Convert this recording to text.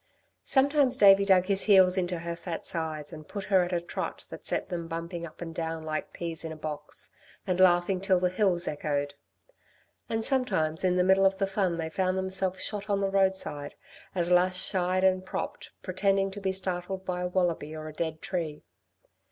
Sometimes Davey dug his heels into her fat sides and put her at a trot that set them bumping up and down like peas in a box, and laughing till the hills echoed. And sometimes in the middle of the fun they found themselves shot on the roadside, as Lass shied and propped, pretending to be startled by a wallaby or a dead tree.